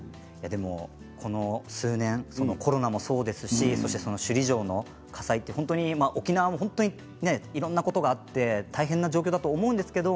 ここ数年コロナもそうですし首里城の火災って沖縄は本当にいろんなことがあって大変な状況だと思うんですけれど